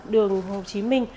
đường hồ chí minh